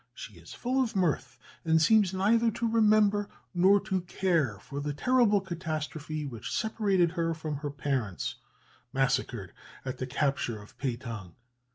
She is full of mirth, and seems neither to remember nor to care for the terrible catastrophe which separated her from her parents, massacred at the capture of Pehtang.